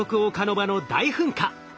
場の大噴火。